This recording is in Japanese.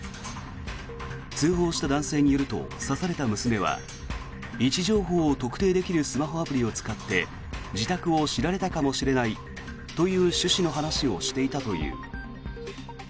通報した男性によると刺された娘は位置情報を特定できるスマホアプリを使って自宅を知られたかもしれないという趣旨の話をしていたという。